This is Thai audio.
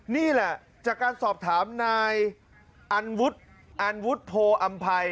นี่แหละจากการสอบถามนายอันวุฒิโพอัมภัย